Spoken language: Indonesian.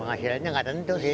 penghasilannya nggak tentu sih